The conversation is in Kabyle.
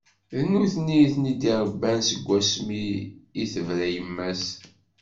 D nutni i t-id-irebban seg wasmi i d-tebra yemma-s.